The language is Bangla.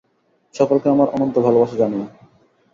সকলকে আমার অনন্ত ভালবাসা জানিও।